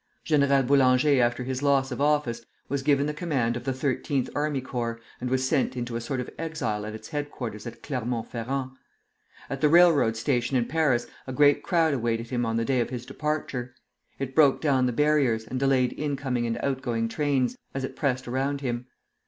General Boulanger after his loss of office was given the command of the Thirteenth Army Corps, and was sent into a sort of exile at its headquarters at Clermont Ferrand. At the railroad station in Paris a great crowd awaited him on the day of his departure. It broke down the barriers, and delayed in coming and out going trains, as it pressed around him.